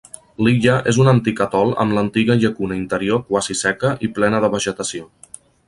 L'illa és un antic atol amb l'antiga llacuna interior quasi seca i plena de vegetació.